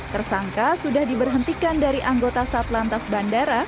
tersangka sudah diberhentikan dari anggota satlan tas bandara